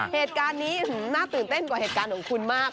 เหตุการณ์นี้น่าตื่นเต้นกว่าเหตุการณ์ของคุณมาก